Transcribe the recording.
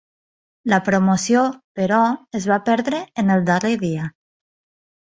La promoció, però, es va perdre en el darrer dia.